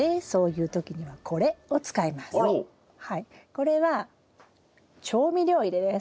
これは調味料入れです。